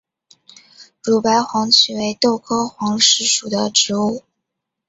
乳白黄耆为豆科黄芪属的植物。